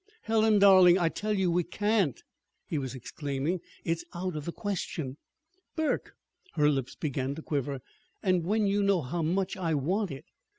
"Helen, darling, I tell you we can't!" he was exclaiming. "It's out of the question." "Burke!" Her lips began to quiver. "And when you know how much I want it!"